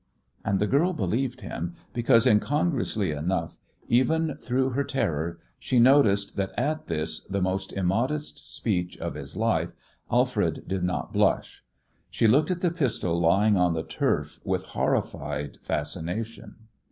And the girl believed him, because, incongruously enough, even through her terror she noticed that at this, the most immodest speech of his life, Alfred did not blush. She looked at the pistol lying on the turf with horrified fascination.